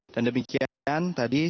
dan demikian tadi